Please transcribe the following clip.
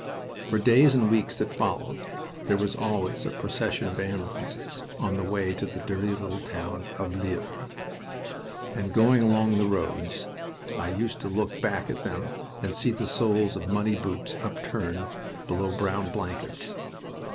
For days and weeks that followed there was always a procession of ambulances on the way to the dirty little town of Lillers, and going along the roads I used to look back at them and see the soles of muddy boots upturned below brown blankets.